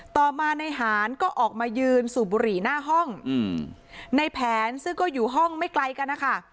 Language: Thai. ต่อมาในหารก็ออกมายืนสูบบุหรี่หน้าห้องในแผนซึ่งก็อยู่ห้องไม่ไกลกันนะคะ